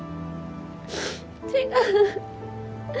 違う。